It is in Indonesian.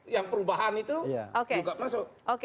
yang perubahan itu juga masuk